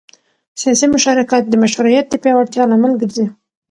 سیاسي مشارکت د مشروعیت د پیاوړتیا لامل ګرځي